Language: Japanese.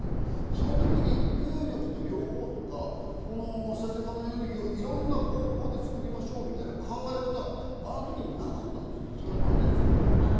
その時に風力と両方とか、再生可能エネルギーをいろんな方法で作りましょうみたいな考え方、あの時なかったんですけど、それは何でですか？